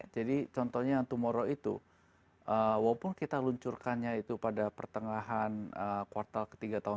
jadi contohnya yang tumoro itu walaupun kita luncurkannya itu pada pertengahan kuartal ketiga tahun dua ribu dua puluh